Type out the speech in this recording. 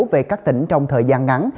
về các tỉnh trong thời gian ngắn